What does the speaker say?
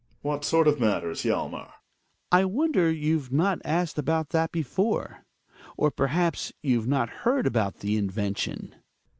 What sort of matters, Hjalmar ? Hjalmar. I wonder you've not asked about that before ? Or, perhaps, you've not heard about the invention